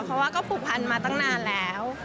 เพราะว่าก็ผูกพันมาตั้งนานแล้ว